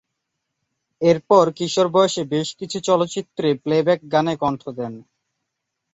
এরপর কিশোর বয়সে বেশ কিছু চলচ্চিত্রে প্লেব্যাক গানে কন্ঠ দেন।